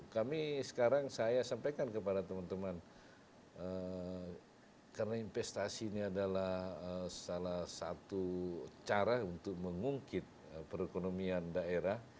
kami sekarang saya sampaikan kepada teman teman karena investasi ini adalah salah satu cara untuk mengungkit perekonomian daerah